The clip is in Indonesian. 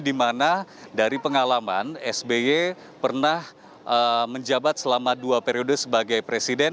dimana dari pengalaman sby pernah menjabat selama dua periode sebagai presiden